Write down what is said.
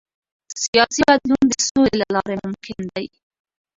سیاسي بدلون د سولې له لارې ممکن دی